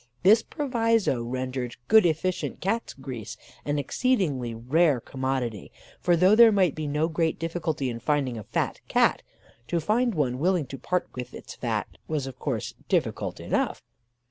This proviso rendered good efficient Cats' grease an exceedingly rare commodity; for though there might be no great difficulty in finding a fat Cat, to find one willing to part with its fat was, of course, difficult enough.